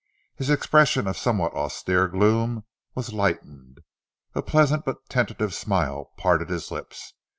His expression of somewhat austere gloom was lightened. A pleasant but tentative smile parted his lips.